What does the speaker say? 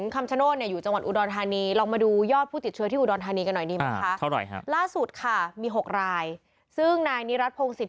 กันหน่อยดีมั้ยคะเท่าไหร่ครับล่าสุดค่ะมีหกรายซึ่งนายนิรัตน์พงศิษย์